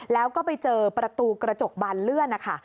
แล้วก็ไปเจอประตูกระจกบานเลื่อนนะคะ